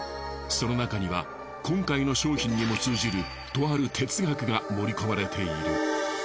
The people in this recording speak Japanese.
そのなかには今回の商品にも通じるとある哲学が盛り込まれている。